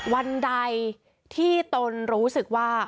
วันใดที่ตนรู้สึกว่า